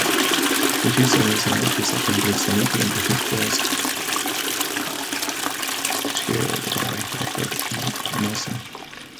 Fifty-seven scientists attended the meeting, which was chaired by Alfred E. Emerson.